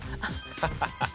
ハハハハ！